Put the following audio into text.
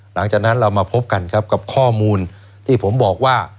หลังจากนั้นเรามาพบกันครับกับข้อมูลที่ผมบอกว่า